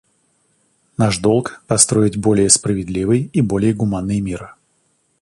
Наш долг — построить более справедливый и более гуманный мир.